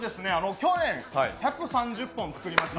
去年１３０本作りました。